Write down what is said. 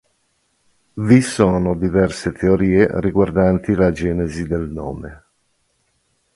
Vi sono diverse teorie riguardanti la genesi del nome.